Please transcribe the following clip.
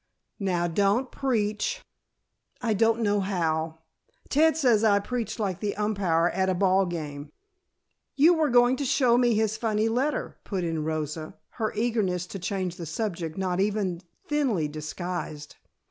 "Now, don't preach." "I don't know how. Ted says I preach like the umpire at a ball game." "You were going to show me his funny letter," put in Rosa, her eagerness to change the subject not even thinly disguised.